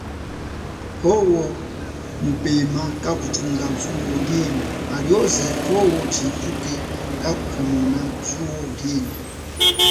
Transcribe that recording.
Powo mupema kakuthunga zuo lienyi halioze poho tshihepuke kakuphomona zuo lienyi.